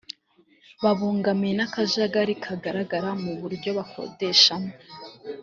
babogamiwe n’akajagari kagaragara mu buryo bakodeshamo